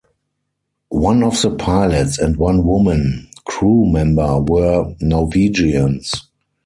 One of the pilots and one woman crew member were Norwegians.